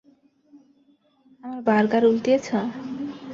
আমার বার্গার উল্টিয়েছ?